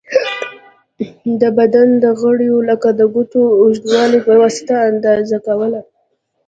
د بدن د غړیو لکه د ګوتو اوږوالی په واسطه اندازه کوله.